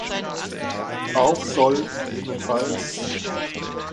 Auch soll, ggf.